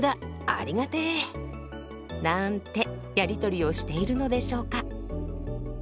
ありがてえ！なんてやり取りをしているのでしょうか。